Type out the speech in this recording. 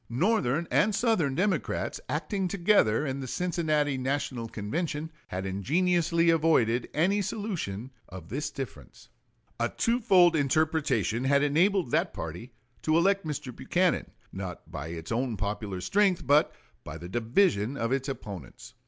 Northern and Southern Democrats, acting together in the Cincinnati National Convention, had ingeniously avoided any solution of this difference. A twofold interpretation had enabled that party to elect Mr. Buchanan, not by its own popular strength, but by the division of its opponents.